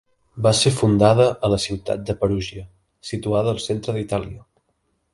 Va ser fundada a la ciutat de Perugia, situada al centre d'Itàlia.